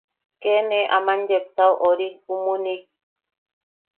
Kee ne aman yepasao ori umuni.